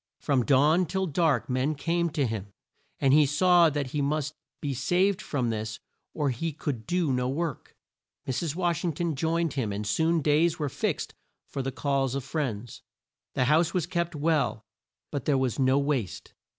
From dawn till dark men came to him, and he saw that he must be saved from this or he could do no work. Mrs. Wash ing ton joined him and soon days were fixed for the calls of friends. The house was kept well, but there was no waste.